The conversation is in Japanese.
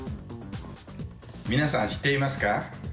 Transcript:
皆さん、知っていますか？